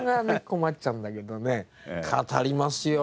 困っちゃうんだけどね語りますよ。